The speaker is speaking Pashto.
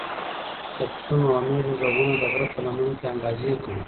د پسونو او مېږو غږونه د غره په لمنه کې انګازې کړې.